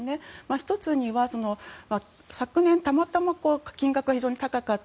１つには昨年たまたま金額が非常に高かった。